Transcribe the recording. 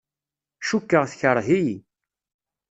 Cukkeɣ tekreh-iyi.